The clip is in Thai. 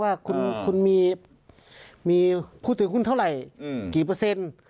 ว่าคุณมีผู้ถือหุ้นเท่าไหร่กี่เปอร์เซ็นต์